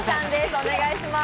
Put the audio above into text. お願いします。